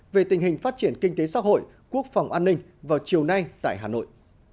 về tình hình phát triển kinh tế xã hội quốc phòng an ninh vào chiều nay tại hà nội